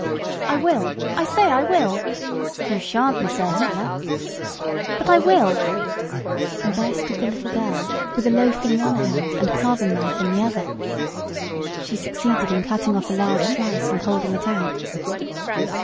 "I will I say I will." "You shan't, Miss Ursula." "But I will!" And there stood the little girl, with a loaf in one hand and a carving knife in the other. She succeeded in cutting off a large slice, and holding it out.